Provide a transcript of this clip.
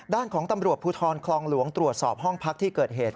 ด้านของตำรวจภูทรคลองหลวงตรวจสอบห้องพักที่เกิดเหตุ